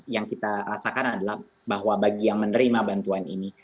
yang kita rasakan adalah bahwa bagi yang menerima bantuan ini